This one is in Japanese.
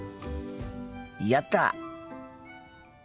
やった！